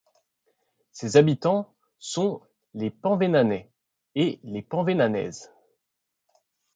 Ses habitants sont les Penvénanais et les Penvénanaises.